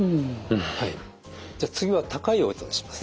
じゃあ次は高い音出します。